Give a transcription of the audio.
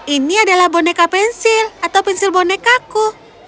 ini adalah boneka pensil atau pensil bonekaku